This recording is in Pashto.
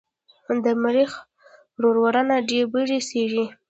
د مریخ روورونه ډبرې څېړي.